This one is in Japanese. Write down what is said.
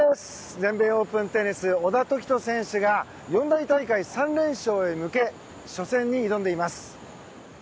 全米オープンテニス小田凱人選手が四大大会連勝に向けて初戦に挑んでいます。